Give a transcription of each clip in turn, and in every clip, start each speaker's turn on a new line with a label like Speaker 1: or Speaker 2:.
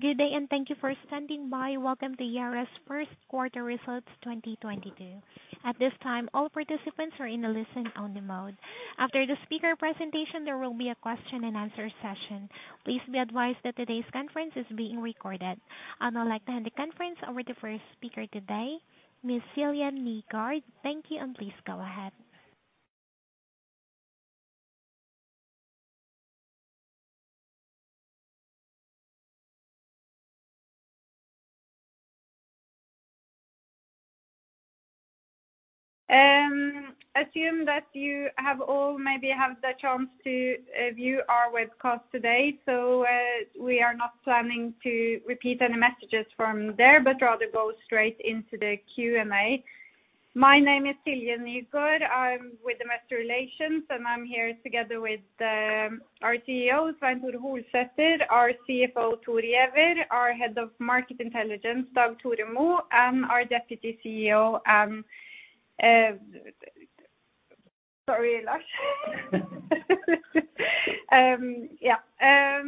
Speaker 1: Good day, thank you for standing by. Welcome to Yara's First Quarter Results 2022. At this time, all participants are in a listen-only mode. After the speaker presentation, there will be a question-and-answer session. Please be advised that today's conference is being recorded. I would now like to hand the conference over to our speaker today, Ms. Silje Nygaard. Thank you, and please go ahead.
Speaker 2: Assume that you have all maybe had the chance to view our webcast today. We are not planning to repeat any messages from there, but rather go straight into the Q&A. My name is Silje Nygaard. I'm with Investor Relations, and I'm here together with our CEO, Svein Tore Holsether, our CFO, Thor Giæver, our Head of Market Intelligence, Dag Tore Mo, and our Deputy CEO, sorry, Lars Røsæg. Yeah.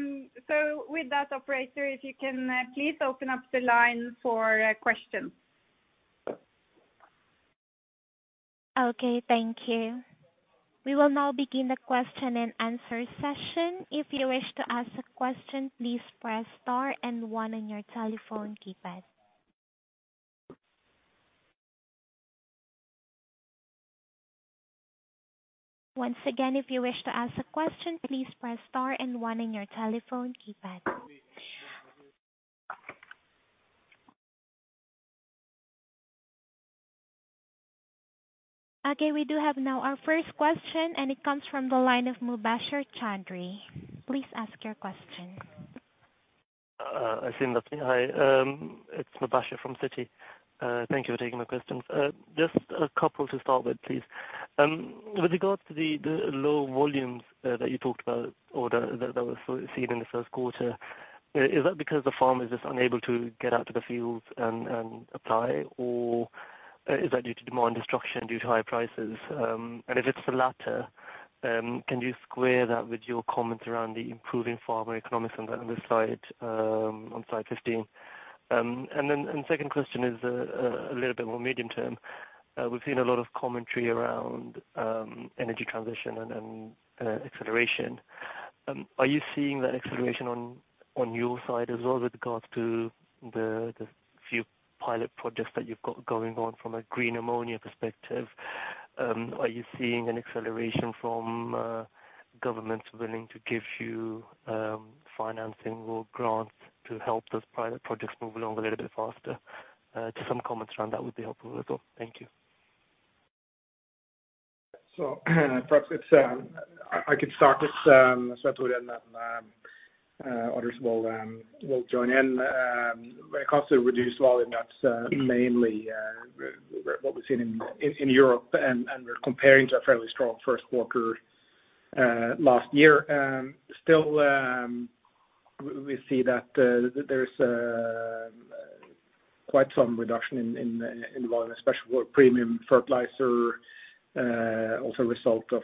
Speaker 2: With that, operator, if you can please open up the line for questions.
Speaker 1: Okay, thank you. We will now begin the question-and-answer session. If you wish to ask a question, please press star and one on your telephone keypad. Once again, if you wish to ask a question, please press star and one on your telephone keypad. Okay, we do have now our first question, and it comes from the line of Mubasher Chaudhry. Please ask your question.
Speaker 3: I think that's me. Hi, it's Mubasher from Citi. Thank you for taking my questions. Just a couple to start with, please. With regards to the low volumes that you talked about or that were seen in the first quarter, is that because the farmers are unable to get out to the fields and apply, or is that due to demand destruction due to higher prices? If it's the latter, can you square that with your comments around the improving farmer economics on the slide on slide 15? Second question is a little bit more medium-term. We've seen a lot of commentary around energy transition and acceleration. Are you seeing that acceleration on your side as well with regards to the few pilot projects that you've got going on from a green ammonia perspective? Are you seeing an acceleration from governments willing to give you financing or grants to help those private projects move along a little bit faster? Just some comments around that would be helpful as well. Thank you.
Speaker 4: Perhaps it's I could start this, Svein Tore and then others will join in. When it comes to reduced volume, that's mainly what we've seen in Europe and we're comparing to a fairly strong first quarter last year. Still, we see that there is quite some reduction in volume, especially for premium fertilizer, also a result of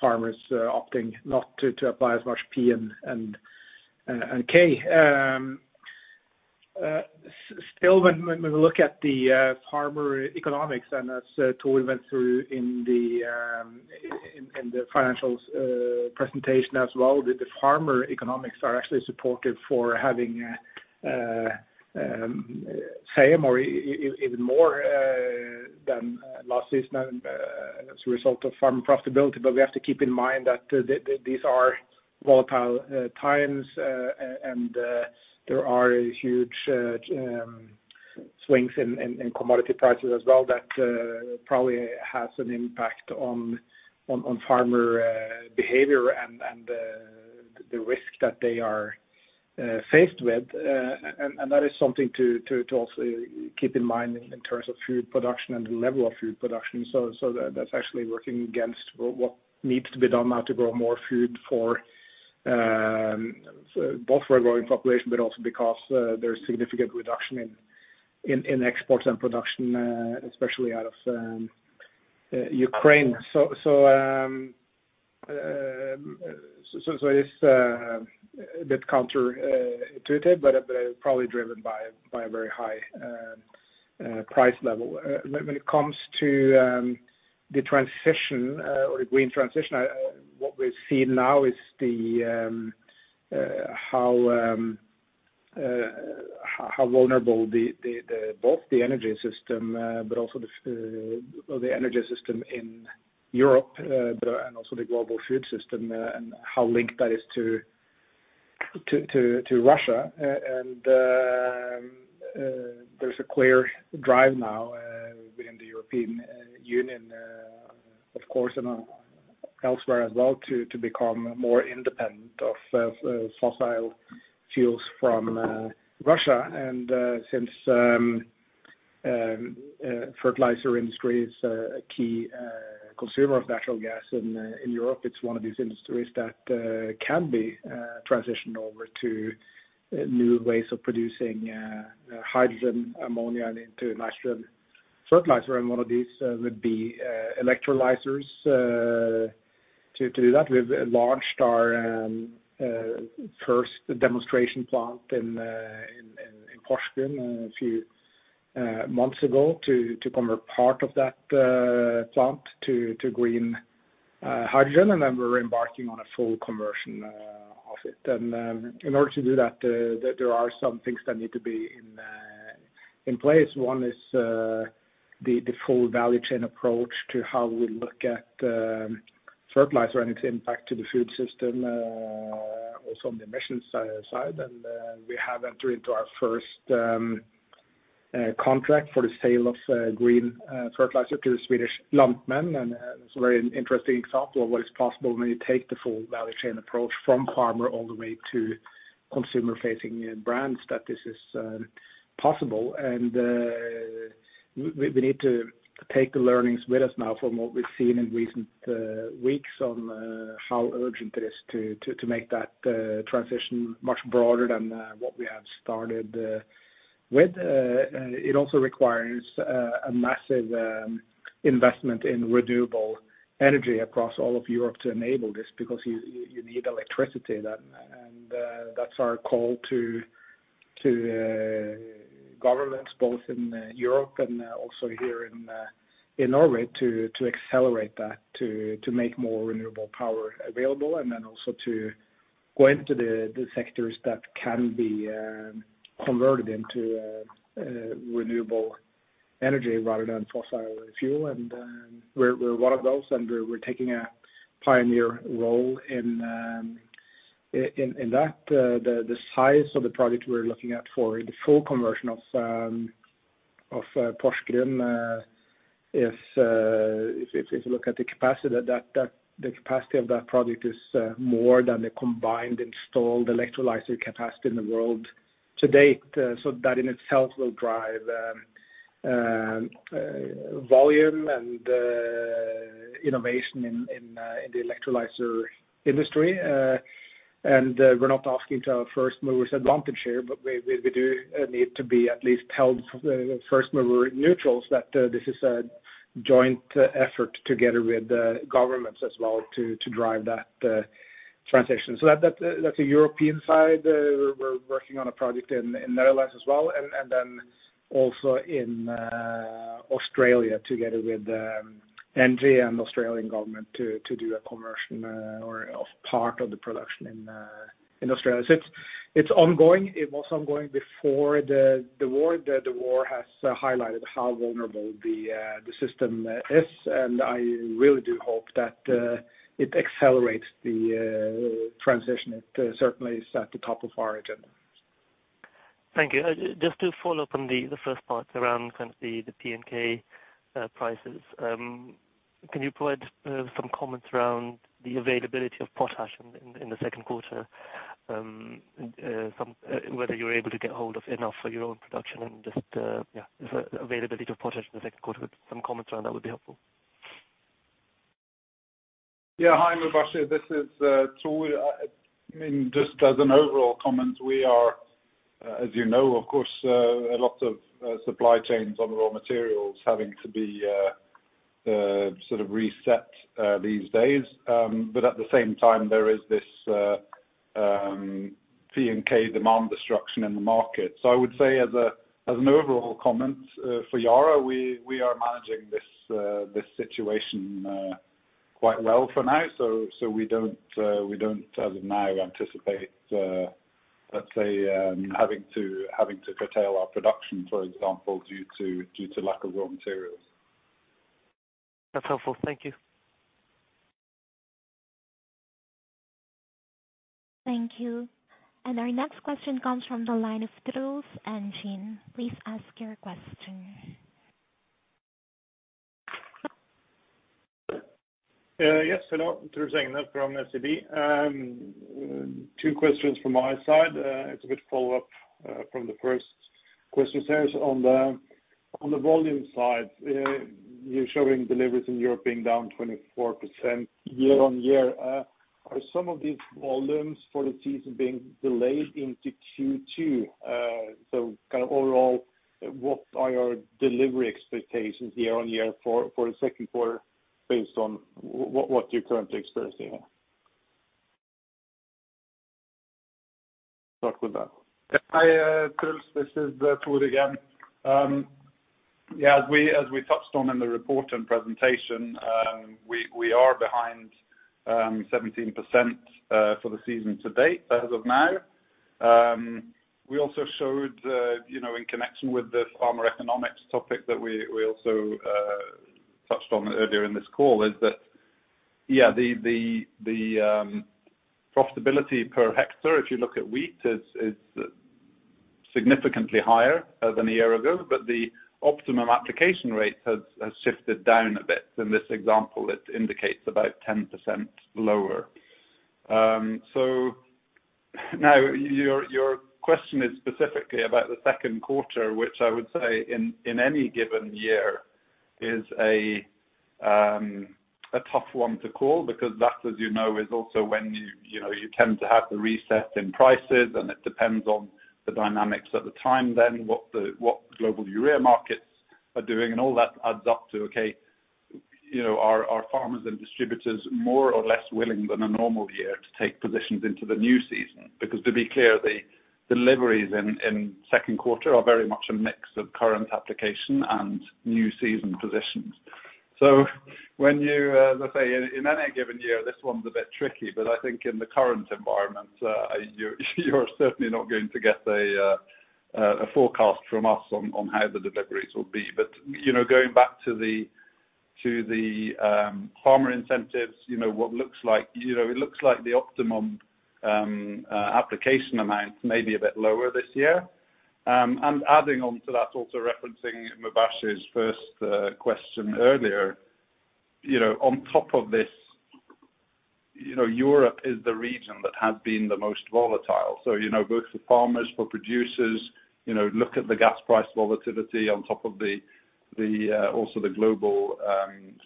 Speaker 4: farmers opting not to apply as much P&K. Still when we look at the farmer economics, and as Tore went through in the financials presentation as well, the farmer economics are actually supportive for having same or even more than last season as a result of farm profitability. We have to keep in mind that these are volatile times, and there are huge swings in commodity prices as well that probably has an impact on farmer behavior and the risk that they are faced with. That is something to also keep in mind in terms of food production and the level of food production. That's actually working against what needs to be done now to grow more food for both for a growing population, but also because there's significant reduction in exports and production, especially out of Ukraine. It is a bit counterintuitive, but probably driven by a very high price level. When it comes to the transition or the green transition, what we're seeing now is how vulnerable both the energy system in Europe and the global food system and how linked that is to Russia. There's a clear drive now within the European Union, of course, and elsewhere as well to become more independent of fossil fuels from Russia. Since the fertilizer industry is a key consumer of natural gas in Europe, it's one of these industries that can be transitioned over to new ways of producing hydrogen, ammonia and into nitrogen fertilizer and one of these would be electrolyzers to do that. We've launched our first demonstration plant in Porsgrunn a few months ago to convert part of that plant to green hydrogen. Then we're embarking on a full conversion of it. In order to do that, there are some things that need to be in place. One is the full value chain approach to how we look at fertilizer and its impact to the food system also on the emissions side. We have entered into our first contract for the sale of green fertilizer to the Swedish Lantmännen. It's a very interesting example of what is possible when you take the full value chain approach from farmer all the way to consumer-facing brands, that this is possible. We need to take the learnings with us now from what we've seen in recent weeks on how urgent it is to make that transition much broader than what we have started with. It also requires a massive investment in renewable energy across all of Europe to enable this because you need electricity. That's our call to governments both in Europe and also here in Norway to accelerate that, to make more renewable power available and then also to go into the sectors that can be converted into renewable energy rather than fossil fuel. We're one of those, and we're taking a pioneer role in that. The size of the project we're looking at for the full conversion of Porsgrunn, if you look at the capacity, the capacity of that project is more than the combined installed electrolyzer capacity in the world to date. So that in itself will drive volume and innovation in the electrolyzer industry. We're not asking for first-mover's advantage here, but we do need to be at least held first-mover neutral, that this is a joint effort together with the governments as well to drive that transition. That's the European side. We're working on a project in the Netherlands as well, and then also in Australia together with ENGIE and Australian government to do a conversion of part of the production in Australia. It's ongoing. It was ongoing before the war. The war has highlighted how vulnerable the system is, and I really do hope that it accelerates the transition. It certainly is at the top of our agenda.
Speaker 3: Thank you. Just to follow up on the first part around kind of the P&K prices. Can you provide some comments around the availability of potash in the second quarter, whether you're able to get hold of enough for your own production. The availability of potash in the second quarter, some comments around that would be helpful.
Speaker 5: Yeah. Hi, Mubasher. This is Thor Giæver. I mean, just as an overall comment, we are, as you know, of course, a lot of supply chains on raw materials having to be sort of reset these days. But at the same time, there is this P&K demand destruction in the market. I would say as an overall comment for Yara, we are managing this situation quite well for now. We don't as of now anticipate, let's say, having to curtail our production, for example, due to lack of raw materials.
Speaker 3: That's helpful. Thank you.
Speaker 1: Thank you. Our next question comes from the line of Truls Haugen. Please ask your question.
Speaker 6: Yes. Hello, Truls Haugen from SEB. Two questions from my side. It's a bit of a follow-up from the first question there. On the volume side, you're showing deliveries in Europe being down 24% year-on-year. Are some of these volumes for the season being delayed into Q2? Kind of overall, what are your delivery expectations year-on-year for the second quarter based on what you're currently experiencing? Start with that.
Speaker 4: Hi, Truls. This is Thor again. As we touched on in the report and presentation, we are behind 17% for the season to date as of now. We also showed you know in connection with the farmer economics topic that we also touched on earlier in this call is that the profitability per hectare, if you look at wheat, is significantly higher than a year ago. The optimum application rate has shifted down a bit. In this example, it indicates about 10% lower. Now your question is specifically about the second quarter, which I would say in any given year is a
Speaker 5: A tough one to call because that, as you know, is also when you know you tend to have the reset in prices and it depends on the dynamics at the time then what the global urea markets are doing and all that adds up to, okay, you know, are farmers and distributors more or less willing than a normal year to take positions into the new season? Because to be clear, the deliveries in second quarter are very much a mix of current application and new season positions. When you, let's say, in any given year, this one's a bit tricky, but I think in the current environment, you're certainly not going to get a forecast from us on how the deliveries will be. Going back to the farmer incentives, you know, what looks like, you know, it looks like the optimum application amount may be a bit lower this year. Adding on to that, also referencing Mubasher's first question earlier, you know, on top of this, you know, Europe is the region that has been the most volatile. You know, both the farmers, for producers, you know, look at the gas price volatility on top of the also the global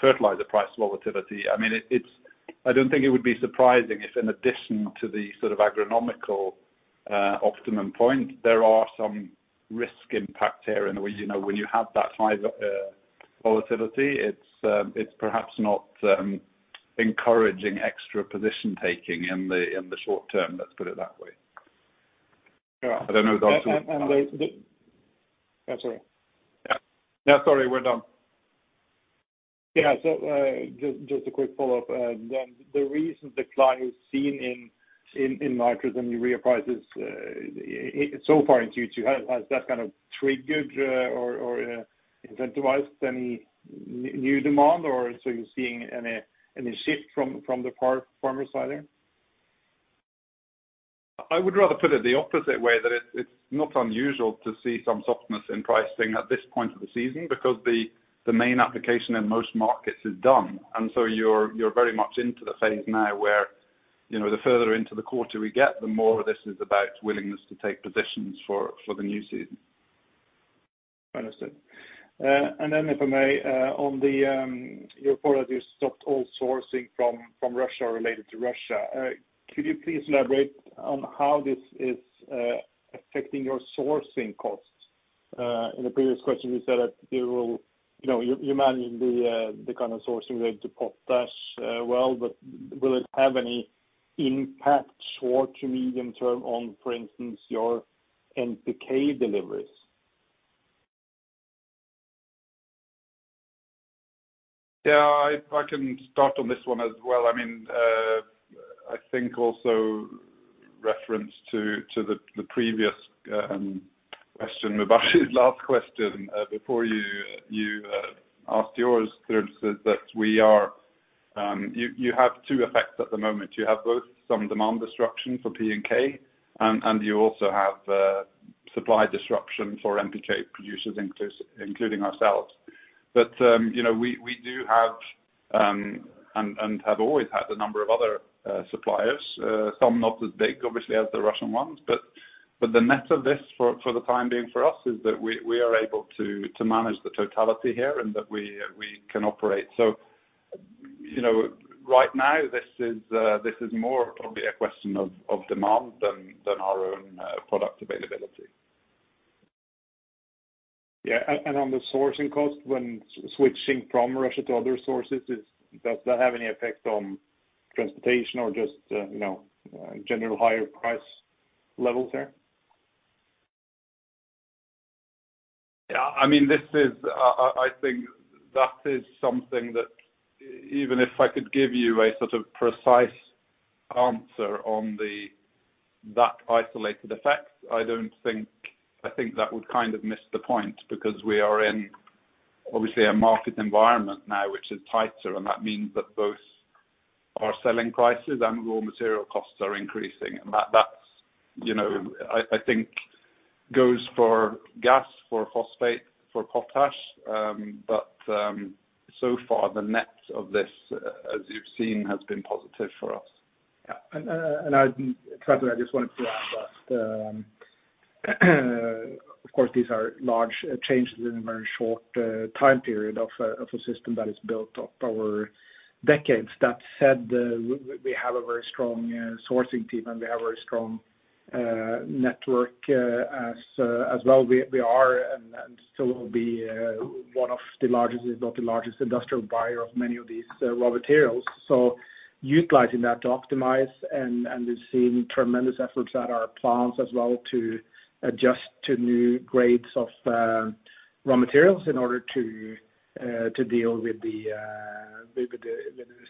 Speaker 5: fertilizer price volatility. I mean, it's I don't think it would be surprising if in addition to the sort of agronomical optimum point, there are some risk impact here. In a way, you know, when you have that high volatility, it's perhaps not encouraging extra position taking in the short term, let's put it that way.
Speaker 6: Yeah.
Speaker 5: I don't know that.
Speaker 6: I'm sorry.
Speaker 5: Yeah. No, sorry. We're done.
Speaker 6: Just a quick follow-up. The recent decline seen in nitrate and urea prices so far in Q2, has that kind of triggered or incentivized any new demand? Or are you seeing any shift from the farmer side there?
Speaker 5: I would rather put it the opposite way, that it's not unusual to see some softness in pricing at this point of the season because the main application in most markets is done. You're very much into the phase now where, you know, the further into the quarter we get, the more this is about willingness to take positions for the new season.
Speaker 6: Understood. If I may, on the your product, you stopped all sourcing from Russia or related to Russia. Could you please elaborate on how this is affecting your sourcing costs? In the previous question, you said that you will manage the kind of sourcing related to potash, well, but will it have any impact short- to medium-term on, for instance, your NPK deliveries?
Speaker 5: Yeah, I can start on this one as well. I mean, I think also reference to the previous question, Mubasher's last question before you asked yours, Claus, is that you have two effects at the moment. You have both some demand disruption for P&K, and you also have supply disruption for NPK producers including ourselves. But you know, we do have and have always had a number of other suppliers, some not as big, obviously, as the Russian ones. But the net of this for the time being for us is that we are able to manage the totality here and that we can operate. You know, right now this is more probably a question of demand than our own product availability.
Speaker 6: Yeah. On the sourcing cost when switching from Russia to other sources, does that have any effect on transportation or just, you know, general higher price levels there?
Speaker 5: Yeah, I mean, this is something that even if I could give you a sort of precise answer on that isolated effect, I don't think that would kind of miss the point because we are obviously in a market environment now which is tighter, and that means that both our selling prices and raw material costs are increasing. That is, you know, I think goes for gas, for phosphate, for potash. So far the net of this, as you've seen, has been positive for us.
Speaker 4: Truls, I just wanted to add that, of course, these are large changes in a very short time period of a system that is built up over decades. That said, we have a very strong sourcing team, and we have a very strong network as well. We are, and still will be, one of the largest, if not the largest industrial buyer of many of these raw materials. Utilizing that to optimize and we've seen tremendous efforts at our plants as well to adjust to new grades of raw materials in order to deal with the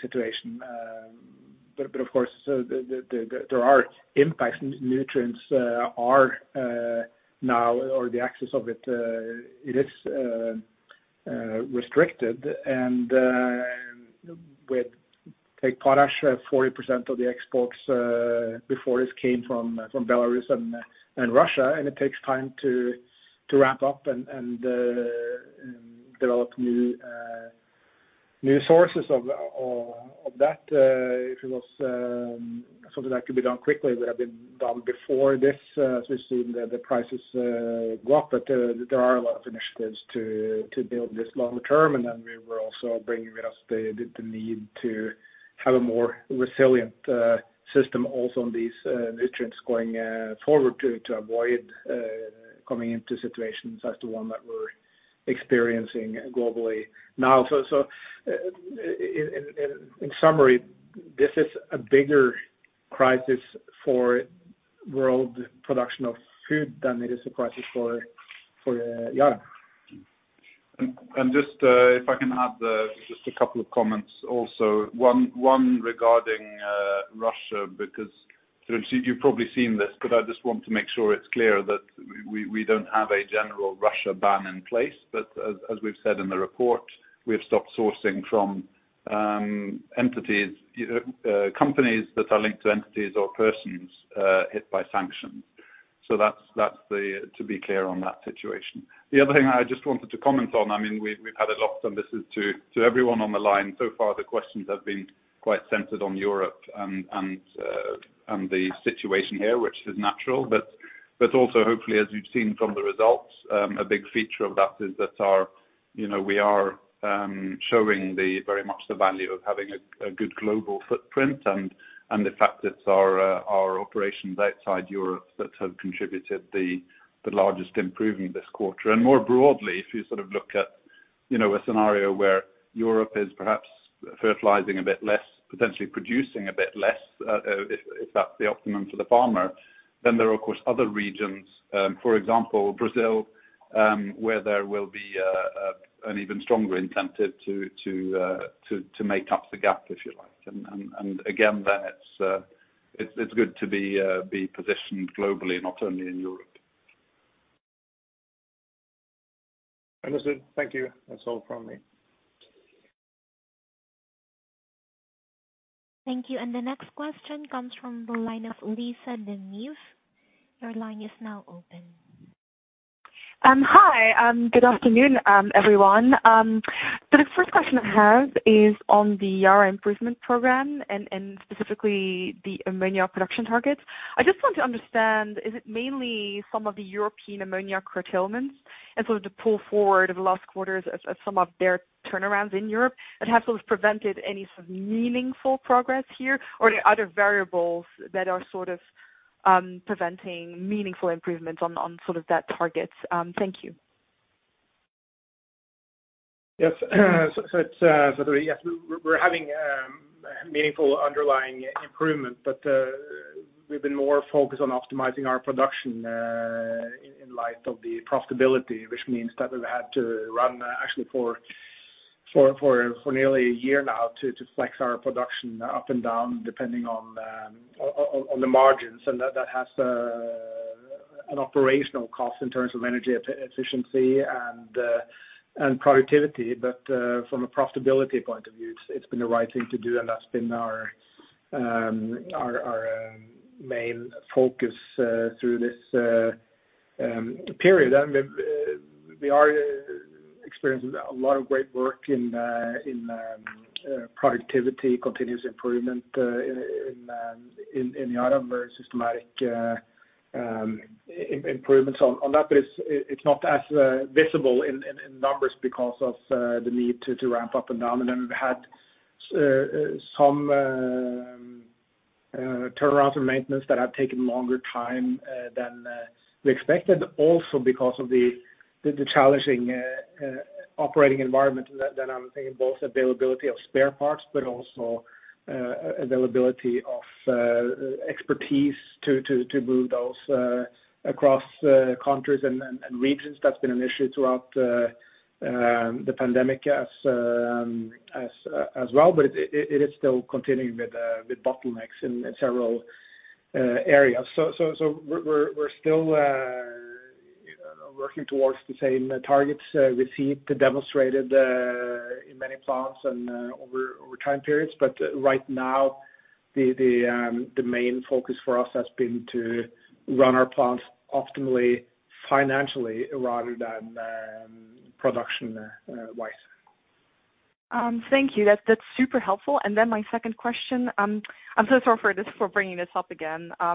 Speaker 4: situation. Of course, there are impacts. Nutrients are now, or the access to it is restricted, and with like potash, 40% of the exports before this came from Belarus and Russia, and it takes time to ramp up and develop new sources of that. If it was something that could be done quickly, it would have been done before this, since we've seen the prices go up. There are a lot of initiatives to build this longer term. Then we will also bring with us the need to have a more resilient system also on these nutrients going forward to avoid coming into situations as the one that we're experiencing globally now. In summary, this is a bigger crisis for world production of food than it is a crisis for Yara.
Speaker 5: If I can add just a couple of comments also. One regarding Russia, because sort of you've probably seen this, but I just want to make sure it's clear that we don't have a general Russia ban in place. As we've said in the report, we've stopped sourcing from entities or companies that are linked to entities or persons hit by sanctions. That's to be clear on that situation. The other thing I just wanted to comment on, I mean, we've had a lot, and this is to everyone on the line, so far the questions have been quite centered on Europe and the situation here, which is natural. Also hopefully, as you've seen from the results, a big feature of that is that we are showing very much the value of having a good global footprint and the fact it's our operations outside Europe that have contributed the largest improvement this quarter. More broadly, if you sort of look at, you know, a scenario where Europe is perhaps fertilizing a bit less, potentially producing a bit less, if that's the optimum for the farmer, then there are of course other regions, for example, Brazil, where there will be an even stronger incentive to make up the gap, if you like. Again, it's good to be positioned globally, not only in Europe.
Speaker 4: Understood. Thank you. That's all from me.
Speaker 1: Thank you. The next question comes from the line of Lisa De Neve. Your line is now open.
Speaker 7: Hi. Good afternoon, everyone. The first question I have is on the Yara Improvement Program and specifically the ammonia production targets. I just want to understand, is it mainly some of the European ammonia curtailments and sort of the pull forward of the last quarters of some of their turnarounds in Europe that have sort of prevented any sort of meaningful progress here? Or are there other variables that are sort of preventing meaningful improvements on sort of that target? Thank you.
Speaker 4: Yes. It's meaningful underlying improvement. We've been more focused on optimizing our production in light of the profitability, which means that we've had to run actually for nearly a year now to flex our production up and down, depending on the margins. That has an operational cost in terms of energy efficiency and productivity. From a profitability point of view, it's been the right thing to do, and that's been our main focus through this period. I mean, we are experiencing a lot of great work in productivity, continuous improvement, in the item where systematic improvements on that. It's not as visible in numbers because of the need to ramp up and down. We've had some turnarounds and maintenance that have taken longer time than we expected also because of the challenging operating environment. I'm thinking both availability of spare parts but also availability of expertise to move those across countries and regions. That's been an issue throughout the pandemic as well. It is still continuing with bottlenecks in several areas. We're still working towards the same targets we've seen demonstrated in many plants and over time periods. Right now the main focus for us has been to run our plants optimally financially rather than production wise.
Speaker 7: Thank you. That's super helpful. My second question, I'm so sorry for this, for bringing this up again. I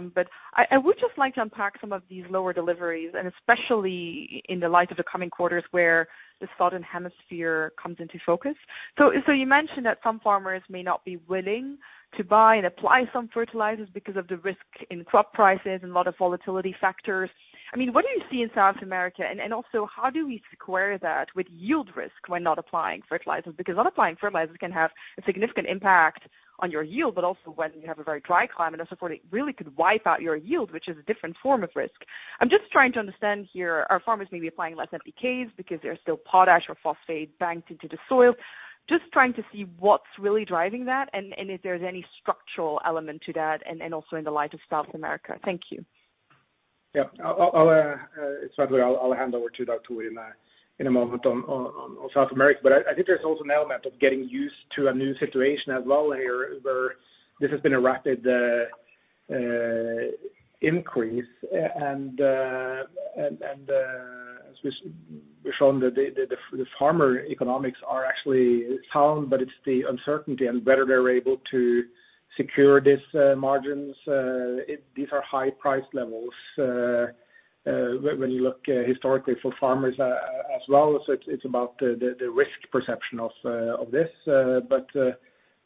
Speaker 7: would just like to unpack some of these lower deliveries, and especially in the light of the coming quarters where the southern hemisphere comes into focus. You mentioned that some farmers may not be willing to buy and apply some fertilizers because of the risk in crop prices and a lot of volatility factors. I mean, what do you see in South America? And also how do we square that with yield risk when not applying fertilizers? Because not applying fertilizers can have a significant impact on your yield, but also when you have a very dry climate and support, it really could wipe out your yield, which is a different form of risk. I'm just trying to understand here, are farmers maybe applying less NPKs because they are still potash or phosphate banked into the soil? Just trying to see what's really driving that and if there's any structural element to that, and also in the light of South America. Thank you.
Speaker 4: Yeah. I'll hand over to that too in a moment on South America. I think there's also an element of getting used to a new situation as well here, where this has been a rapid increase and as we've shown that the farmer economics are actually sound, but it's the uncertainty and whether they're able to secure these margins. These are high price levels when you look historically for farmers as well. It's about the risk perception of this. As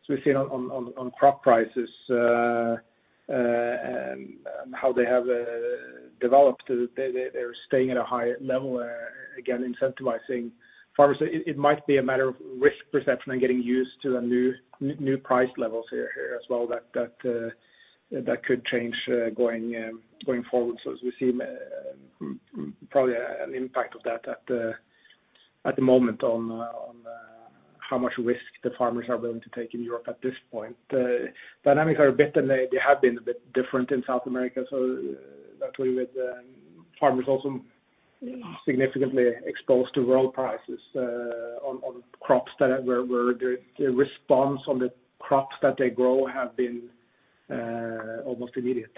Speaker 4: we've seen on crop prices and how they have developed, they're staying at a higher level again, incentivizing farmers. It might be a matter of risk perception and getting used to the new price levels here as well, that could change going forward. As we see probably an impact of that at the moment on how much risk the farmers are willing to take in Europe at this point. Dynamics are a bit, and they have been a bit different in South America, so that with farmers also significantly exposed to world prices on crops where the response on the crops that they grow have been almost immediate.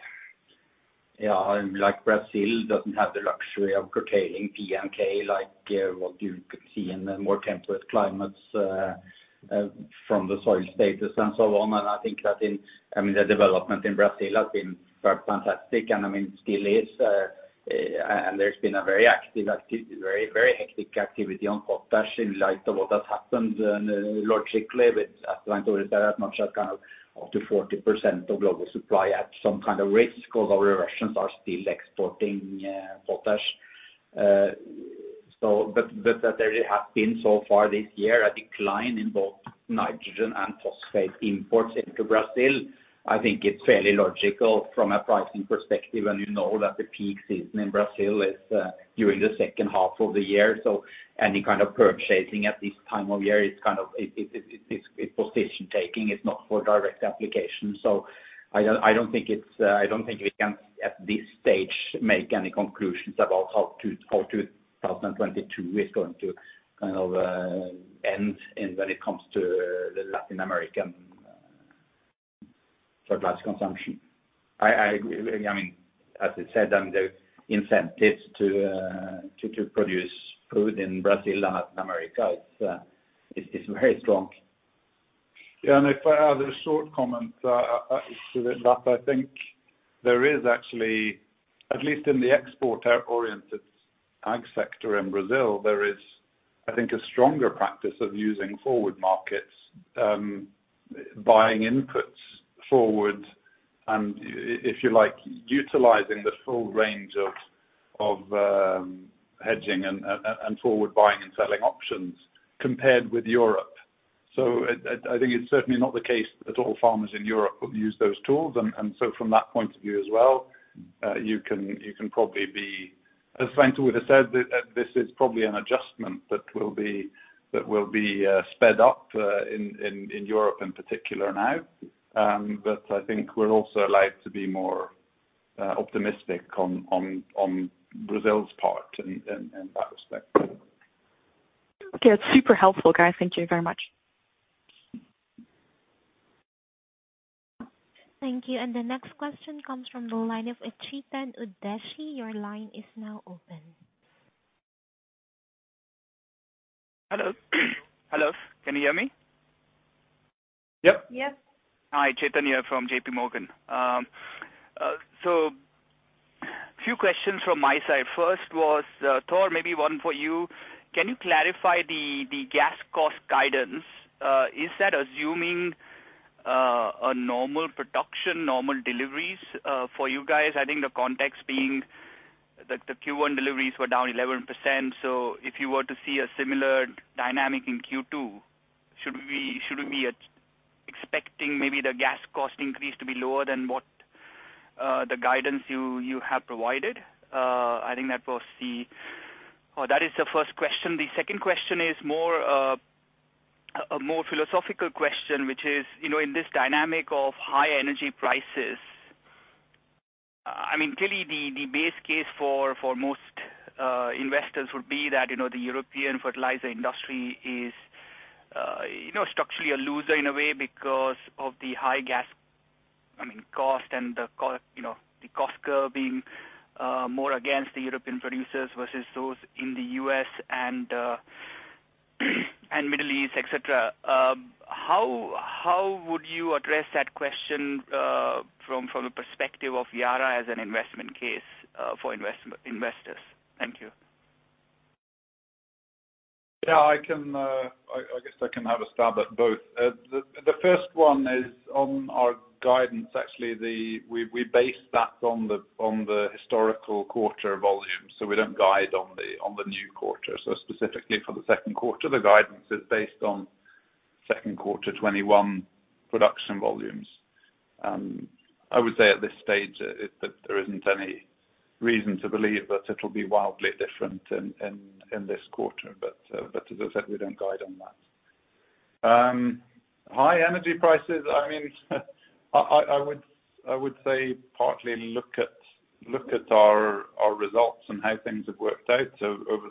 Speaker 8: Like Brazil doesn't have the luxury of curtailing P&K, like what you could see in the more temperate climates from the soil status and so on. I think that I mean, the development in Brazil has been fantastic and I mean, still is. There's been a very, very hectic activity on potash in light of what has happened. Logically, with as Svein Tore said, as much as kind of up to 40% of global supply at some kind of risk because our Russians are still exporting potash. But there have been so far this year a decline in both nitrogen and phosphate imports into Brazil. I think it's fairly logical from a pricing perspective, and you know that the peak season in Brazil is during the second half of the year. Any kind of purchasing at this time of year is kind of it's position taking, it's not for direct application. I don't think we can at this stage make any conclusions about how 2022 is going to kind of end and when it comes to the Latin American fertilizer consumption. I agree. I mean, as I said, the incentives to produce food in Brazil and Latin America, it's very strong.
Speaker 5: Yeah. If I add a short comment to that, I think there is actually, at least in the exporter oriented Ag sector in Brazil, there is I think a stronger practice of using forward markets, buying inputs forward and if you like, utilizing the full range of hedging and forward buying and selling options compared with Europe. I think it's certainly not the case that all farmers in Europe would use those tools. From that point of view as well, you can probably be, as Svein Tore said, that this is probably an adjustment that will be sped up in Europe in particular now. I think we're also likely to be more optimistic on Brazil's part in that respect.
Speaker 7: Okay. It's super helpful, guys. Thank you very much.
Speaker 1: Thank you. The next question comes from the line of Chetan Udeshi. Your line is now open.
Speaker 9: Hello? Hello. Can you hear me?
Speaker 5: Yep.
Speaker 4: Yep.
Speaker 9: Hi, Chaitanya from JPMorgan. A few questions from my side. First was, Thor, maybe one for you. Can you clarify the gas cost guidance? Is that assuming a normal production, normal deliveries, for you guys? I think the context being the Q1 deliveries were down 11%, so if you were to see a similar dynamic in Q2, should we expect the gas cost increase to be lower than what the guidance you have provided? That is the first question. The second question is more of a philosophical question, which is, you know, in this dynamic of high energy prices, I mean, clearly the base case for most investors would be that, you know, the European fertilizer industry is structurally a loser in a way because of the high gas, I mean, cost and the cost curve being more against the European producers versus those in the U.S. and Middle East, et cetera. How would you address that question from a perspective of Yara as an investment case for investors? Thank you.
Speaker 5: Yeah, I guess I can have a stab at both. The first one is on our guidance. Actually, we base that on the historical quarter volumes, so we don't guide on the new quarter. Specifically for the second quarter, the guidance is based on second quarter 2021 production volumes. I would say at this stage that there isn't any reason to believe that it'll be wildly different in this quarter. As I said, we don't guide on that. High energy prices, I mean, I would say partly look at our results and how things have worked out. Over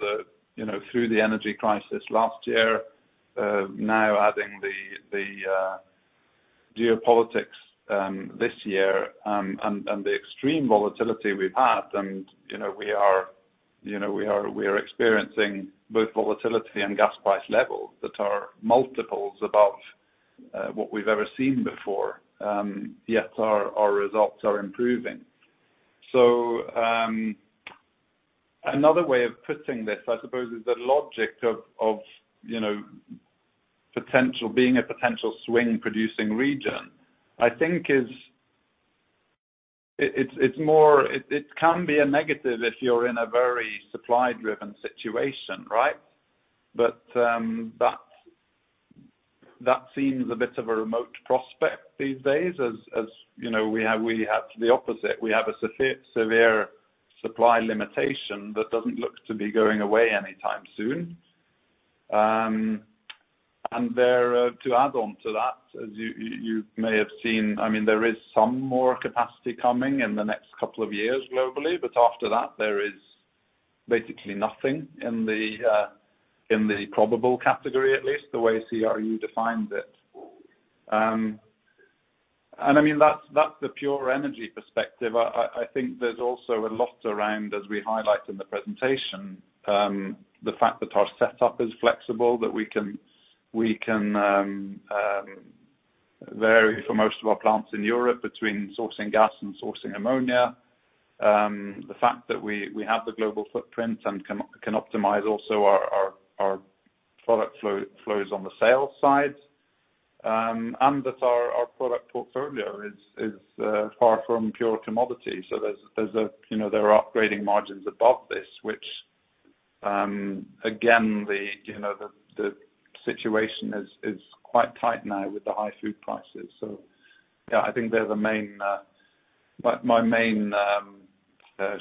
Speaker 5: the, through the energy crisis last year, now adding the geopolitics this year, and the extreme volatility we've had, and we are experiencing both volatility and gas price levels that are multiples above what we've ever seen before. Yet our results are improving. Another way of putting this, I suppose, is the logic of potential being a potential swing-producing region, I think is. It's more. It can be a negative if you're in a very supply-driven situation, right? That seems a bit of a remote prospect these days as we have the opposite. We have a severe supply limitation that doesn't look to be going away anytime soon. To add on to that, as you may have seen, I mean, there is some more capacity coming in the next couple of years globally, but after that, there is basically nothing in the probable category, at least the way CRU defines it. I mean, that's the pure energy perspective. I think there's also a lot around, as we highlight in the presentation, the fact that our setup is flexible, that we can vary for most of our plants in Europe between sourcing gas and sourcing ammonia. The fact that we have the global footprint and can optimize also our product flows on the sales side. That our product portfolio is far from pure commodity. You know, there are upgrading margins above this, which, again, you know, the situation is quite tight now with the high food prices. Yeah, I think they're my main,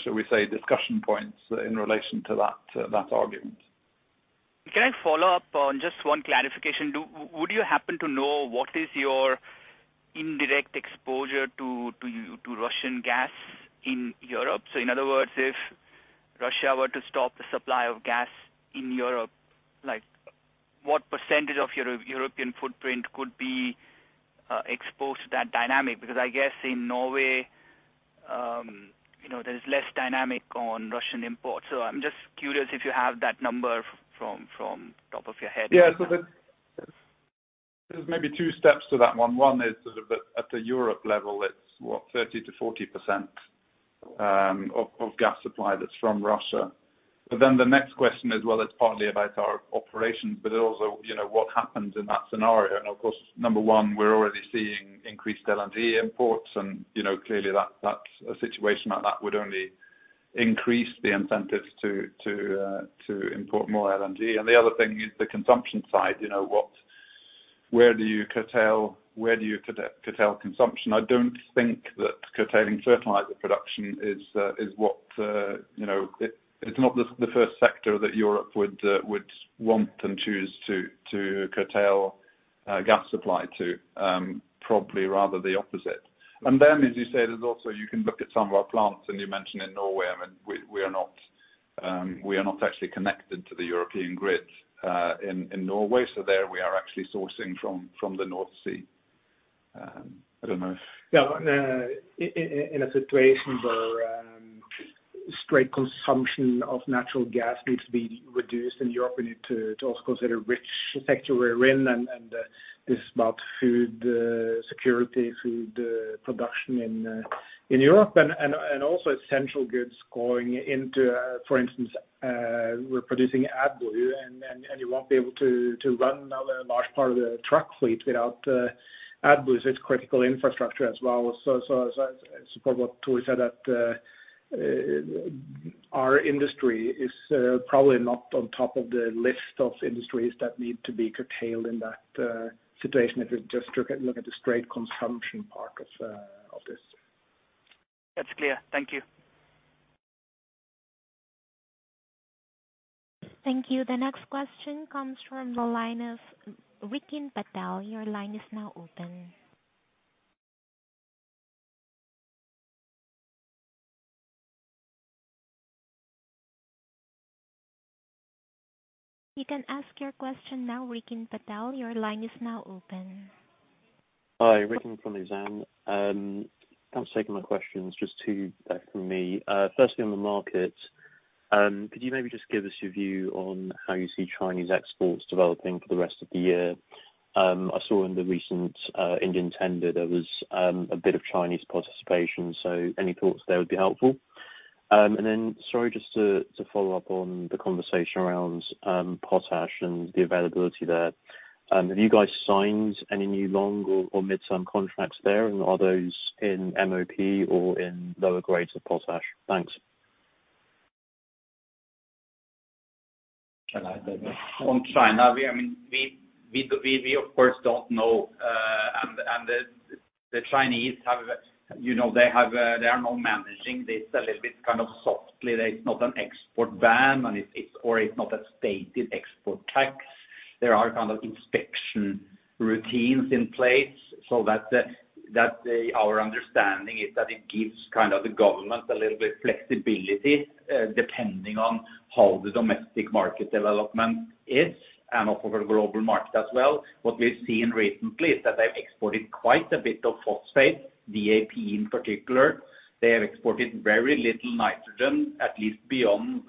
Speaker 5: shall we say, discussion points in relation to that argument.
Speaker 9: Can I follow up on just one clarification? Would you happen to know what is your indirect exposure to Russian gas in Europe? So in other words, if Russia were to stop the supply of gas in Europe, like what percentage of your European footprint could be exposed to that dynamic? Because I guess in Norway, you know, there's less dynamic on Russian imports. I'm just curious if you have that number from top of your head.
Speaker 5: Yeah. There's maybe two steps to that one. One is sort of at the Europe level, it's 30%-40% of gas supply that's from Russia. Then the next question is, well, it's partly about our operations, but it also, you know, what happens in that scenario. Of course, number one, we're already seeing increased LNG imports and, you know, clearly that a situation like that would only increase the incentives to import more LNG. The other thing is the consumption side. You know, where do you curtail consumption? I don't think that curtailing fertilizer production is. It's not the first sector that Europe would want and choose to curtail gas supply to. Probably rather the opposite. As you say, there's also you can look at some of our plants, and you mentioned in Norway. I mean, we are not actually connected to the European grid in Norway. There we are actually sourcing from the North Sea. I don't know if-
Speaker 4: Yeah. In a situation where straight consumption of natural gas needs to be reduced in Europe, we need to also consider which sector we're in and this is about food security, food production in Europe and also essential goods going into, for instance, we're producing AdBlue and you won't be able to run a large part of the truck fleet without AdBlue. It's critical infrastructure as well. I support what Tor said that our industry is probably not on top of the list of industries that need to be curtailed in that situation, if we just look at the straight consumption part of this.
Speaker 9: That's clear. Thank you.
Speaker 1: Thank you. The next question comes from the line of Rikin Patel. Your line is now open. You can ask your question now, Rikin Patel. Your line is now open.
Speaker 10: Hi, Rikin from Exane. Thanks for taking my questions. Just two from me. Firstly on the market, could you maybe just give us your view on how you see Chinese exports developing for the rest of the year? I saw in the recent Indian tender there was a bit of Chinese participation. Any thoughts there would be helpful. Sorry, just to follow up on the conversation around potash and the availability there. Have you guys signed any new long or mid-term contracts there? Are those in MOP or in lower grades of potash? Thanks.
Speaker 5: Can I take that?
Speaker 8: On China, I mean, we of course don't know. The Chinese have, you know, they are now managing this a little bit, kind of, softly. There is not an export ban, or it's not a stated export tax. There are kind of inspection routines in place so that our understanding is that it gives kind of the government a little bit flexibility, depending on how the domestic market development is and also for global market as well. What we've seen recently is that they've exported quite a bit of phosphate, DAP in particular. They have exported very little nitrogen, at least beyond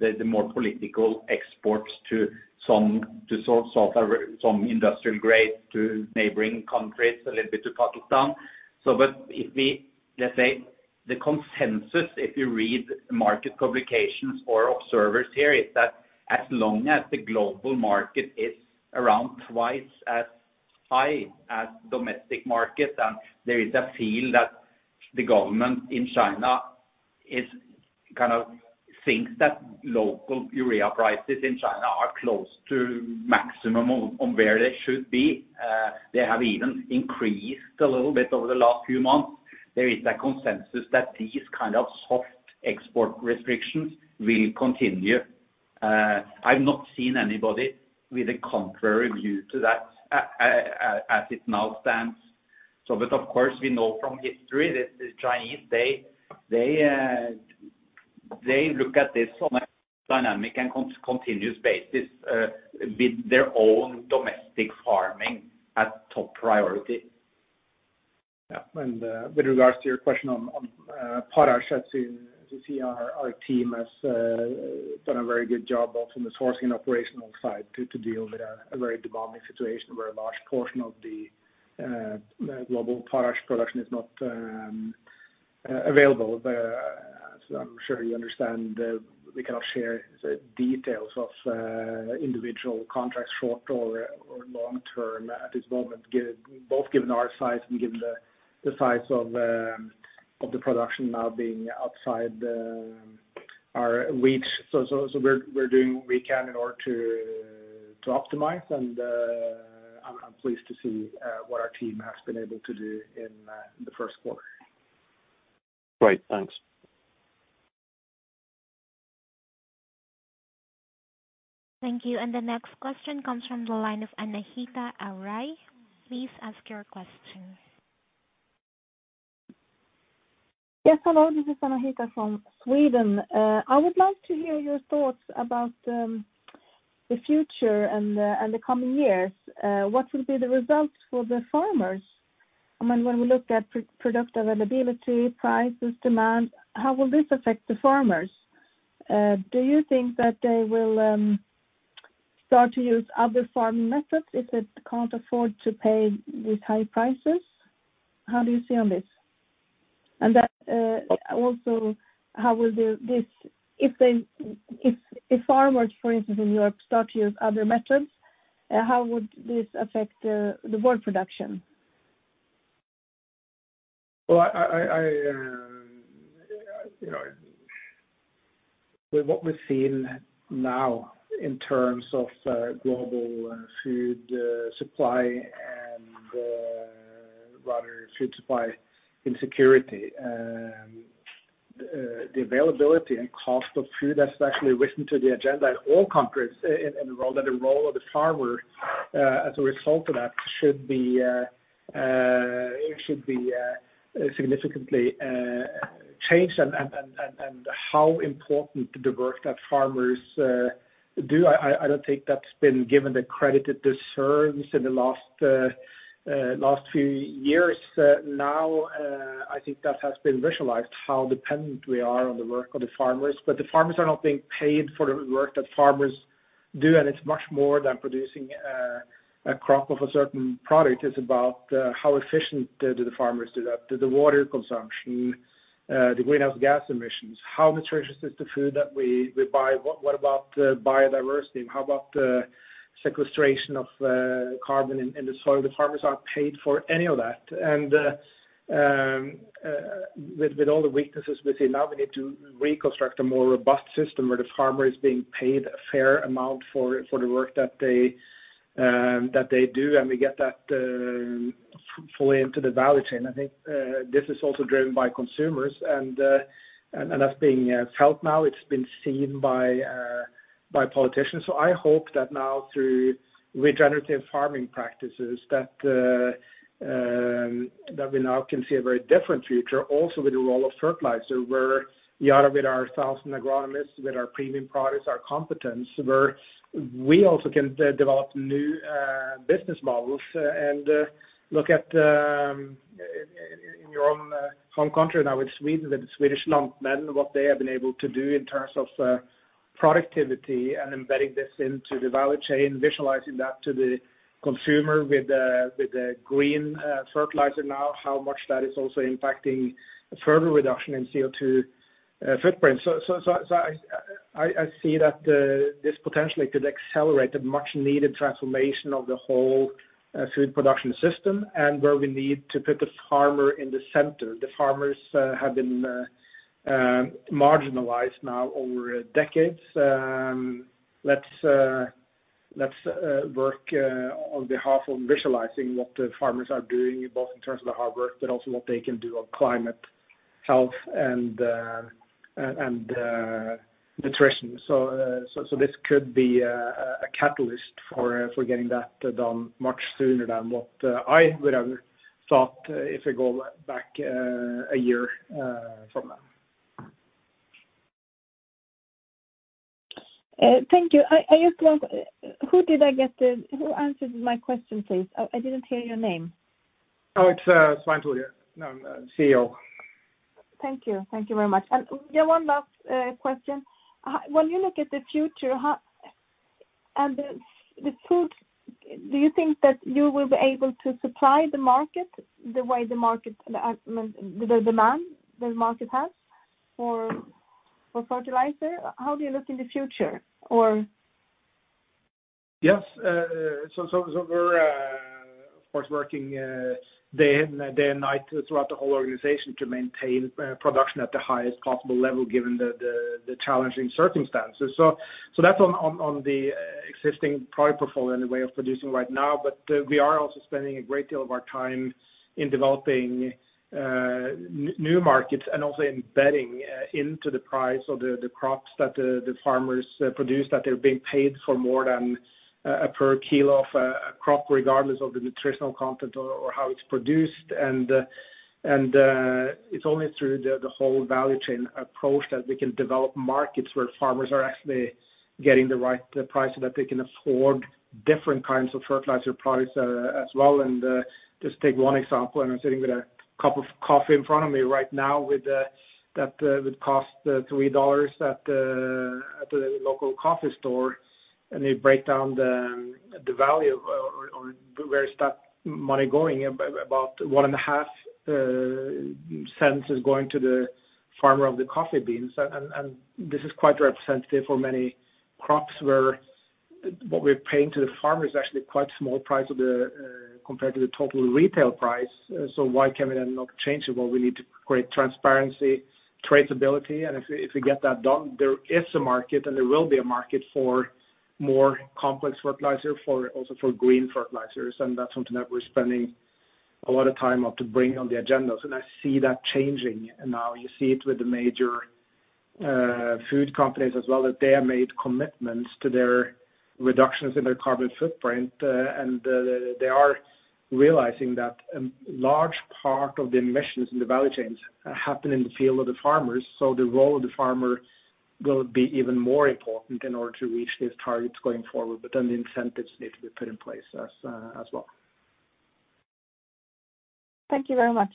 Speaker 8: the more political exports to some sort of some industrial grade to neighboring countries, a little bit to Pakistan. If we, let's say, the consensus, if you read market publications or observers here, is that as long as the global market is around twice as high as domestic market, and there is a feel that the government in China is kind of thinks that local urea prices in China are close to maximum on where they should be, they have even increased a little bit over the last few months. There is a consensus that these kind of soft export restrictions will continue. I've not seen anybody with a contrary view to that as it now stands. Of course, we know from history that the Chinese, they look at this on a dynamic and continuous basis, with their own domestic farming at top priority.
Speaker 4: Yeah. With regards to your question on potash, as you see our team has done a very good job both in the sourcing and operational side to deal with a very demanding situation where a large portion of the global potash production is not available. As I'm sure you understand, we cannot share the details of individual contracts short or long term at this moment, both given our size and given the size of the production now being outside our reach. We're doing what we can in order to optimize and I'm pleased to see what our team has been able to do in the first quarter.
Speaker 8: Great. Thanks.
Speaker 1: Thank you. The next question comes from the line of Anahita Arai. Please ask your question.
Speaker 11: Yes, hello. This is Anahita from Sweden. I would like to hear your thoughts about the future and the coming years. What will be the results for the farmers? I mean, when we look at product availability, prices, demand, how will this affect the farmers? Do you think that they will start to use other farming methods if they can't afford to pay with high prices? How do you see this? Also, if farmers, for instance, in Europe, start to use other methods, how would this affect the world production?
Speaker 4: Well, you know, with what we've seen now in terms of global food supply and rather food supply insecurity, the availability and cost of food has actually risen to the agenda in all countries and the role of the farmer as a result of that should be significantly changed and how important the work that farmers do. I don't think that's been given the credit it deserves in the last few years. Now, I think that has been visualized how dependent we are on the work of the farmers. The farmers are not being paid for the work that farmers do, and it's much more than producing a crop of a certain product. It's about how efficient do the farmers do that? Do the water consumption, the greenhouse gas emissions, how nutritious is the food that we buy? What about the biodiversity and how about the sequestration of carbon in the soil? The farmers aren't paid for any of that. With all the weaknesses we see now, we need to reconstruct a more robust system where the farmer is being paid a fair amount for the work that they do, and we get that fully into the value chain. I think this is also driven by consumers and that's being felt now. It's been seen by politicians. I hope that now through regenerative farming practices that we now can see a very different future also with the role of fertilizer, where Yara with our 1,000 agronomists, with our premium products, our competence, where we also can develop new business models, and look at in your own home country now with Sweden, with the Swedish Lantmännen, what they have been able to do in terms of productivity and embedding this into the value chain, visualizing that to the consumer with the green fertilizer now, how much that is also impacting further reduction in CO2 footprint. I see that this potentially could accelerate the much needed transformation of the whole food production system and where we need to put the farmer in the center. The farmers have been marginalized now over decades. Let's work on behalf of visualizing what the farmers are doing both in terms of the hard work, but also what they can do on climate health and nutrition. This could be a catalyst for getting that done much sooner than what I would have thought if I go back a year from now.
Speaker 11: Thank you. I just want who answered my question, please? I didn't hear your name.
Speaker 4: Oh, it's Svein Tore. I'm CEO.
Speaker 11: Thank you. Thank you very much. One last question. When you look at the future and the food, do you think that you will be able to supply the market the way the market, I mean, the demand the market has for fertilizer? How do you look in the future or?
Speaker 4: Yes. We're of course working day and night throughout the whole organization to maintain production at the highest possible level given the challenging circumstances. That's on the existing product portfolio and the way of producing right now. But we are also spending a great deal of our time in developing new markets and also embedding into the price of the crops that the farmers produce, that they're being paid for more than per kilo of crop, regardless of the nutritional content or how it's produced. It's only through the whole value chain approach that we can develop markets where farmers are actually getting the right price so that they can afford different kinds of fertilizer products as well. Just take one example, and I'm sitting with a cup of coffee in front of me right now with that would cost $3 at the local coffee store, and they break down the value or where is that money going. About $0.015 is going to the farmer of the coffee beans. This is quite representative for many crops where what we're paying to the farmer is actually quite small compared to the total retail price. Why can we then not change it? Well, we need to create transparency, traceability, and if we get that done, there is a market and there will be a market for more complex fertilizer, also for green fertilizers. That's something that we're spending a lot of time on to bring on the agenda. I see that changing now. You see it with the major food companies as well, that they have made commitments to their reductions in their carbon footprint. They are realizing that a large part of the emissions in the value chains happen in the field of the farmers. The role of the farmer will be even more important in order to reach these targets going forward. The incentives need to be put in place as well.
Speaker 11: Thank you very much.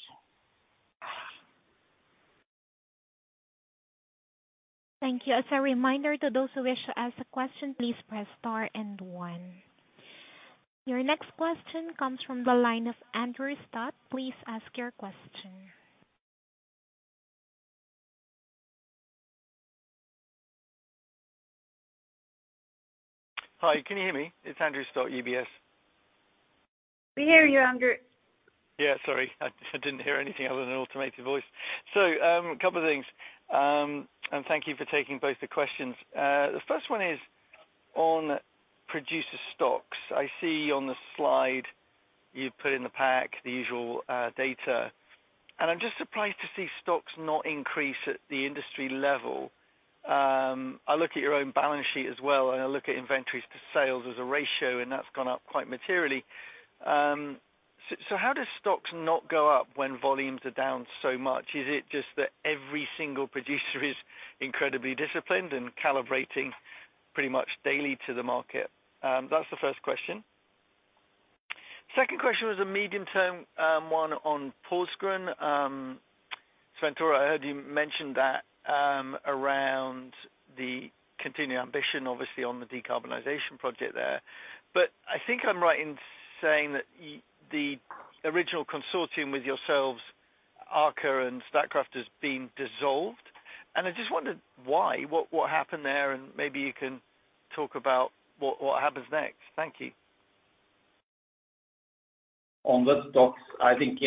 Speaker 1: Thank you. As a reminder to those who wish to ask a question, please press star and one. Your next question comes from the line of Andrew Stott. Please ask your question.
Speaker 12: Hi, can you hear me? It's Andrew Stott, UBS.
Speaker 1: We hear you, Andrew.
Speaker 12: Yeah, sorry. I didn't hear anything other than an automated voice. A couple of things, and thank you for taking both the questions. The first one is on producer stocks. I see on the slide you put in the pack, the usual data, and I'm just surprised to see stocks not increase at the industry level. I look at your own balance sheet as well, and I look at inventories to sales as a ratio, and that's gone up quite materially. How do stocks not go up when volumes are down so much? Is it just that every single producer is incredibly disciplined and calibrating pretty much daily to the market? That's the first question. Second question was a medium-term one on Porsgrunn. Svein Tore, I heard you mention that around the continuing ambition, obviously on the decarbonization project there. I think I'm right in saying that the original consortium with yourselves, Aker and Statkraft, has been dissolved. I just wondered why, what happened there, and maybe you can talk about what happens next. Thank you.
Speaker 4: On the stocks, I think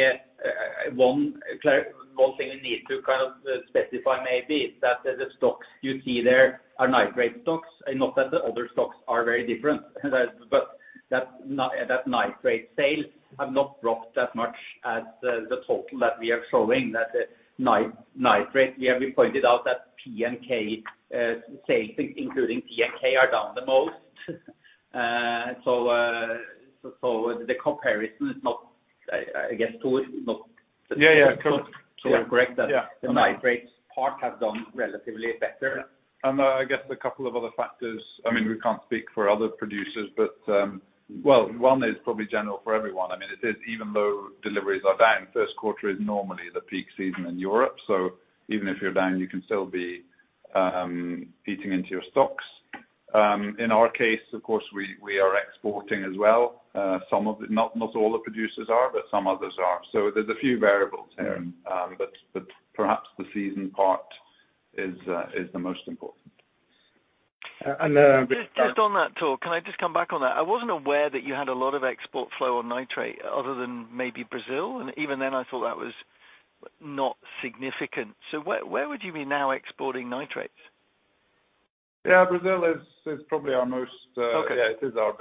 Speaker 4: one thing we need to kind of specify maybe is that the stocks you see there are nitrate stocks, and not that the other stocks are very different. That nitrate sales have not dropped that much as the total that we are showing. That nitrate, we have pointed out that P&K sales including P&K are down the most. The comparison is not, I guess, too, is not-
Speaker 12: Yeah, yeah. Correct.
Speaker 4: Correct that.
Speaker 12: Yeah.
Speaker 4: The nitrate part has done relatively better.
Speaker 5: I guess a couple of other factors. I mean, we can't speak for other producers, but, well, one is probably general for everyone. I mean, it is even though deliveries are down, first quarter is normally the peak season in Europe. Even if you're down, you can still be eating into your stocks. In our case, of course, we are exporting as well. Not all the producers are, but some others are. There's a few variables here.
Speaker 12: Yeah.
Speaker 5: Perhaps the season part is the most important.
Speaker 4: And, uh-
Speaker 12: Just on that, Thor, can I just come back on that? I wasn't aware that you had a lot of export flow on nitrate other than maybe Brazil, and even then I thought that was not significant. Where would you be now exporting nitrates?
Speaker 5: Yeah, Brazil is probably our most, yeah, it is our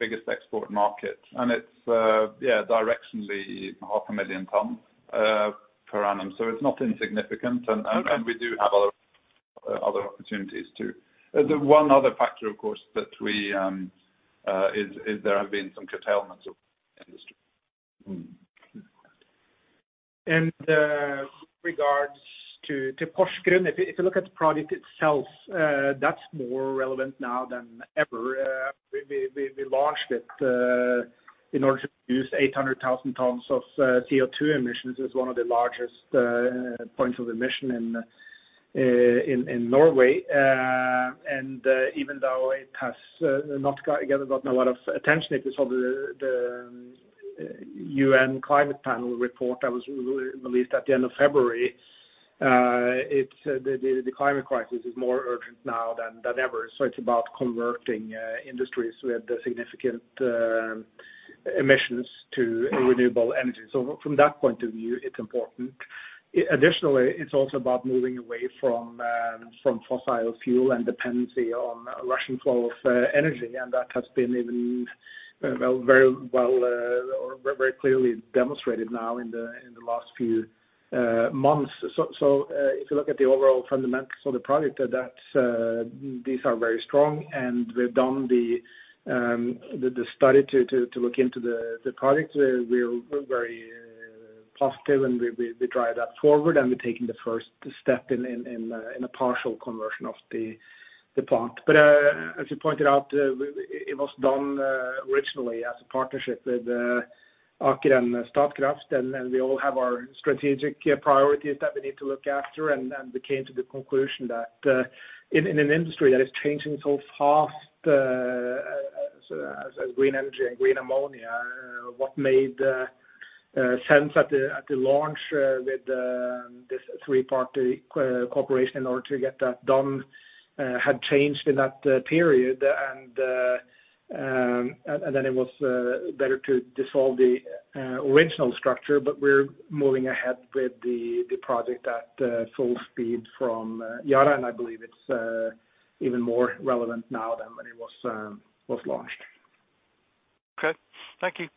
Speaker 5: biggest export market, and it's, yeah, directionally 500,000 tons per annum. It's not insignificant. We do have other opportunities too. The one other factor, of course, that we is there have been some curtailments of industry.
Speaker 12: Mm-hmm.
Speaker 4: Regards to Porsgrunn, if you look at the project itself, that's more relevant now than ever. We launched it in order to use 800,000 tons of CO2 emissions. It's one of the largest points of emission in Norway. Even though it has not gotten, you know, a lot of attention, if you saw the UN climate panel report that was re-released at the end of February, the climate crisis is more urgent now than ever. It's about converting industries with significant emissions to renewable energy. From that point of view, it's important. Additionally, it's also about moving away from fossil fuel and dependency on Russian flow of energy, and that has been even very clearly demonstrated now in the last few months. If you look at the overall fundamentals of the project, these are very strong. We've done the study to look into the project. We're very positive, and we drive that forward, and we're taking the first step in a partial conversion of the plant. As you pointed out, it was done originally as a partnership with Aker and Statkraft, and we all have our strategic priorities that we need to look after. We came to the conclusion that in an industry that is changing so fast as green energy and green ammonia, what made sense at the launch with this three-party cooperation in order to get that done had changed in that period. Then it was better to dissolve the original structure, but we're moving ahead with the project at full speed from Yara. I believe it's even more relevant now than when it was launched.
Speaker 12: Okay. Thank you.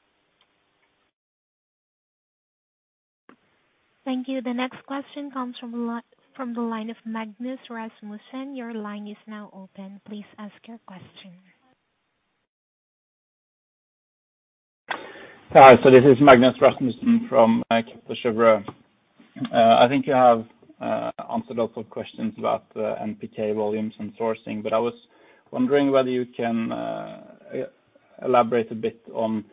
Speaker 1: Thank you. The next question comes from the line of Magnus Melvær Rasmussen. Your line is now open. Please ask your question.
Speaker 13: This is Magnus Rasmussen from SEB. I think you have answered also questions about NPK volumes and sourcing, but I was wondering whether you can elaborate a bit on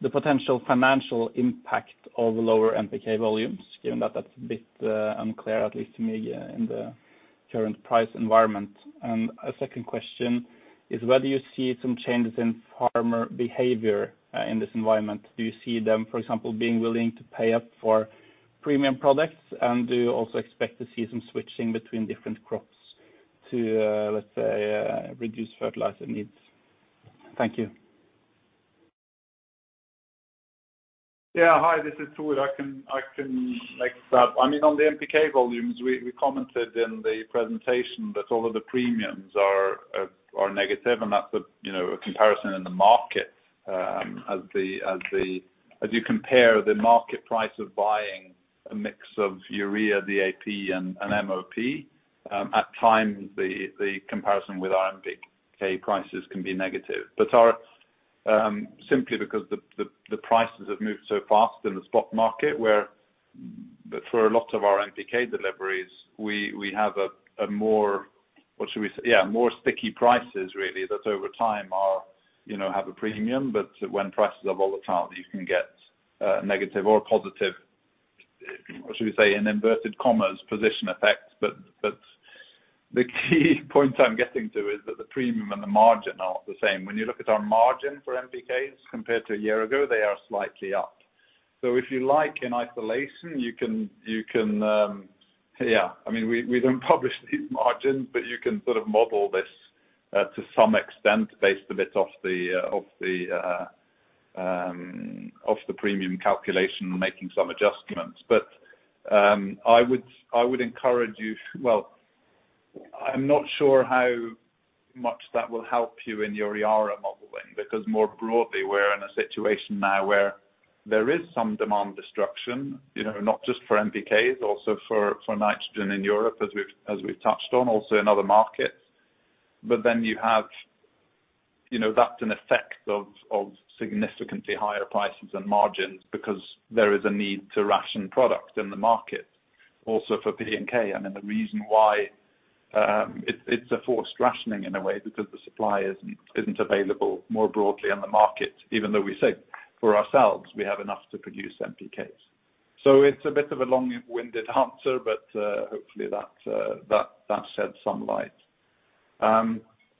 Speaker 13: the potential financial impact of lower NPK volumes, given that that's a bit unclear, at least to me, in the current price environment. A second question is whether you see some changes in farmer behavior in this environment. Do you see them, for example, being willing to pay up for premium products? Do you also expect to see some switching between different crops to let's say reduce fertilizer needs? Thank you.
Speaker 5: Yeah. Hi, this is Thor. I can take that. I mean, on the NPK volumes, we commented in the presentation that although the premiums are negative, and that's a comparison in the market, as you compare the market price of buying a mix of urea, the DAP and MOP, at times, the comparison with NPK prices can be negative. Ours simply because the prices have moved so fast in the spot market where for a lot of our NPK deliveries, we have a more, what should we say? Yeah, more sticky prices really that over time have a premium, but when prices are volatile, you can get negative or positive, what should we say, in inverted commas, position effects. The key point I'm getting to is that the premium and the margin aren't the same. When you look at our margin for NPKs compared to a year ago, they are slightly up. If you like, in isolation, you can. I mean, we don't publish these margins, but you can sort of model this to some extent based a bit off the premium calculation, making some adjustments. I would encourage you. Well, I'm not sure how much that will help you in your ERA modeling, because more broadly, we're in a situation now where there is some demand destruction, you know, not just for NPKs, also for nitrogen in Europe as we've touched on, also in other markets. You have, you know, that's an effect of significantly higher prices and margins because there is a need to ration product in the market also for P&K. I mean, the reason why it's a forced rationing in a way because the supply isn't available more broadly in the market, even though we say for ourselves, we have enough to produce NPKs. It's a bit of a long-winded answer, but hopefully that sheds some light.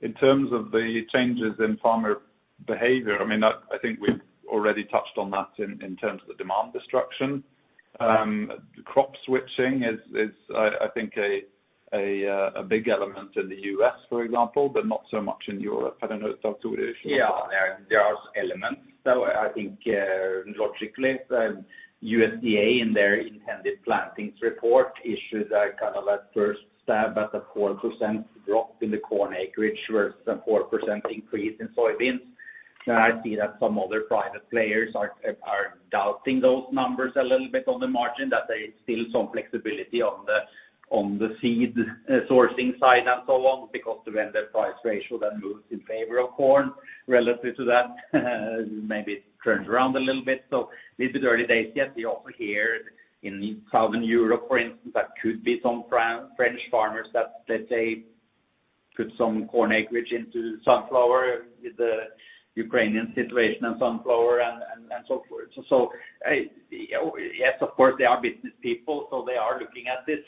Speaker 5: In terms of the changes in farmer behavior, I mean, I think we've already touched on that in terms of the demand destruction. Crop switching is, I think, a big element in the U.S. for example, but not so much in Europe. I don't know, Tore, do you wish to-
Speaker 8: There are elements, so I think logically, USDA in their Prospective Plantings report issued a kind of a first stab at a 4% drop in the corn acreage, with some 4% increase in soybeans. I see that some other private players are doubting those numbers a little bit on the margin, that there is still some flexibility on the seed sourcing side and so on, because the vendor price ratio that moves in favor of corn relative to that, maybe turns around a little bit. Little bit early days, yet we also hear in Southern Europe, for instance, that could be some French farmers that, let's say, put some corn acreage into sunflower with the Ukrainian situation and sunflower and so forth. Yes, of course, they are business people, so they are looking at this.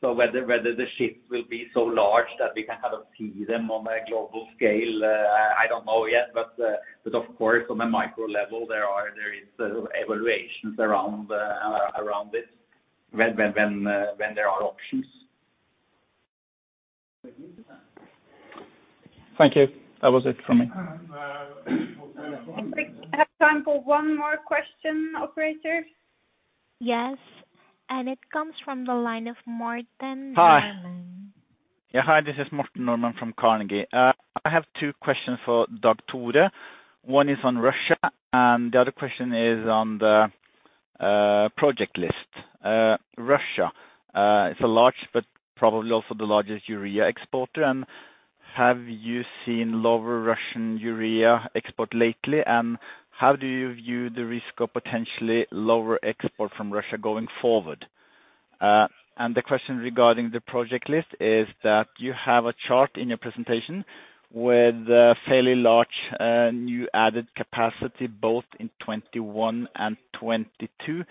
Speaker 8: Whether the shift will be so large that we can kind of see them on a global scale, I don't know yet, but of course, on a micro level, there is evaluations around this when there are options.
Speaker 13: Thank you. That was it from me.
Speaker 2: I think I have time for one more question, operator.
Speaker 1: Yes. It comes from the line of Martin Norman.
Speaker 14: Hi, this is Martin Norman from Carnegie. I have two questions for Dag Tore Mo. One is on Russia, and the other question is on the project list. Russia, it's a large, but probably also the largest urea exporter. Have you seen lower Russian urea export lately? How do you view the risk of potentially lower export from Russia going forward? The question regarding the project list is that you have a chart in your presentation with a fairly large new added capacity, both in 2021 and 2022.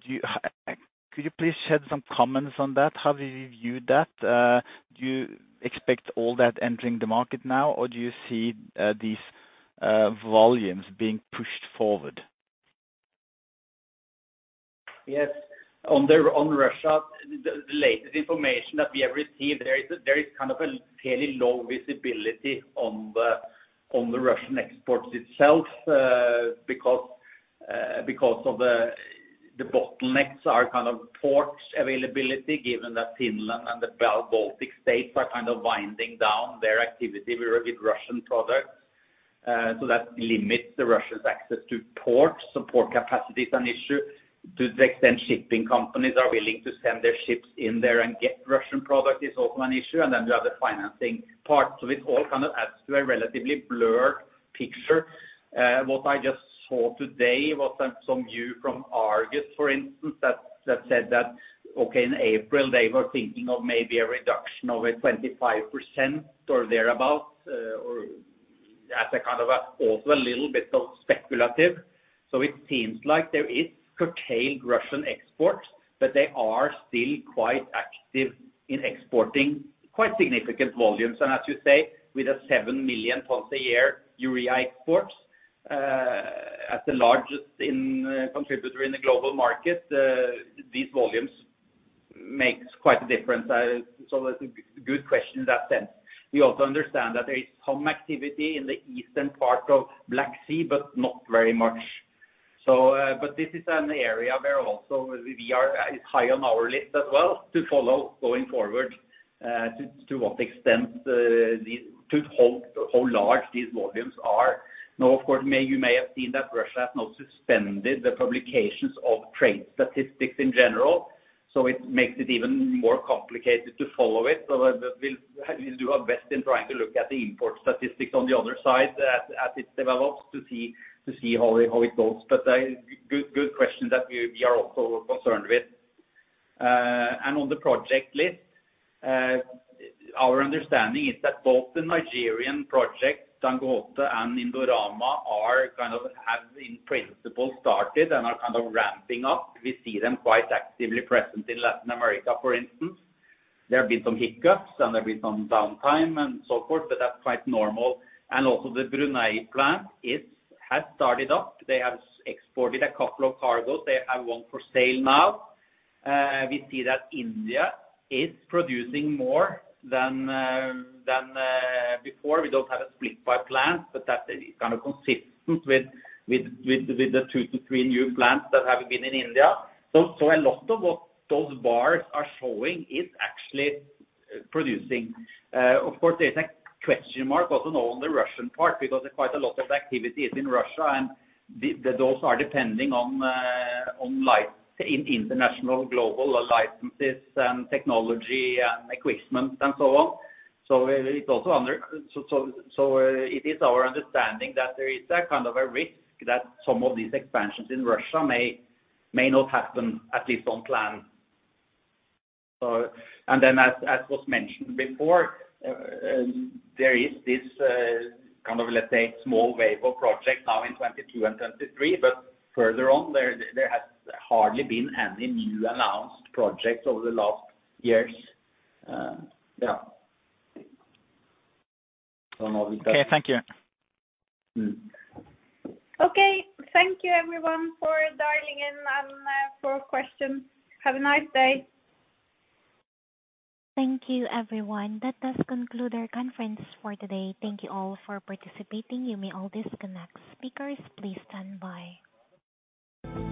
Speaker 14: Could you please shed some comments on that? How do you view that? Do you expect all that entering the market now, or do you see these volumes being pushed forward?
Speaker 8: Yes. On Russia, the latest information that we have received, there is kind of a fairly low visibility on the Russian exports itself, because of the bottlenecks are kind of ports availability, given that Finland and the Baltic states are kind of winding down their activity with Russian products. That limits the Russians access to ports. Port capacity is an issue. To the extent shipping companies are willing to send their ships in there and get Russian product is also an issue. Then you have the financing part. It all kind of adds to a relatively blurred picture. What I just saw today was some view from Argus, for instance, that said, okay, in April, they were thinking of maybe a reduction of a 25% or thereabout, or as a kind of also a little bit of speculative. It seems like there is curtailed Russian exports, but they are still quite active in exporting quite significant volumes. As you say, with 7 million tons a year urea exports, as the largest contributor in the global market, these volumes makes quite a difference. That's a good question in that sense. We also understand that there is some activity in the eastern part of Black Sea, but not very much. This is an area. It's high on our list as well to follow going forward, to what extent, to how large these volumes are. Now, of course, you may have seen that Russia has now suspended the publications of trade statistics in general, so it makes it even more complicated to follow it. We'll do our best in trying to look at the import statistics on the other side as it develops to see how it goes. Good question that we are also concerned with. On the project list, our understanding is that both the Nigerian projects, Dangote and Indorama are kind of have in principle started and are kind of ramping up. We see them quite actively present in Latin America, for instance. There have been some hiccups and there have been some downtime and so forth, but that's quite normal. Also the Brunei plant, it has started up. They have exported a couple of cargos. They have one for sale now. We see that India is producing more than before. We don't have a split by plant, but that is kind of consistent with the two to three new plants that have been in India. A lot of what those bars are showing is actually producing. Of course, there's a question mark also on the Russian part because quite a lot of activity is in Russia, and those are depending on international global licenses and technology and equipment and so on. It is our understanding that there is a kind of a risk that some of these expansions in Russia may not happen, at least on plan. As was mentioned before, there is this kind of, let's say, small wave of projects now in 2022 and 2023, but further on, there has hardly been any new announced projects over the last years. Yeah.
Speaker 14: Okay. Thank you.
Speaker 8: Mm-hmm.
Speaker 2: Okay. Thank you everyone for dialing in and for questions. Have a nice day.
Speaker 1: Thank you, everyone. That does conclude our conference for today. Thank you all for participating. You may all disconnect. Speakers, please stand by.